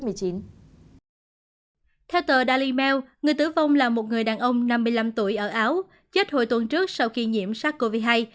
theo tờ daily mail người tử vong là một người đàn ông năm mươi năm tuổi ở áo chết hồi tuần trước sau khi nhiễm sát covid hai